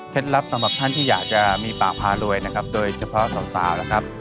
ลับสำหรับท่านที่อยากจะมีปากพารวยนะครับโดยเฉพาะสาวนะครับ